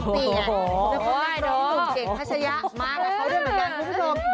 นักครองดูดเก่งภาชะยะมากนะเค้าด้วยเหมือนกันคุณผู้ชม